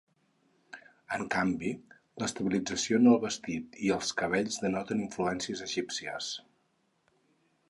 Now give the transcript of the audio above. En canvi, l'estilització en el vestit i els cabells denoten influències egípcies.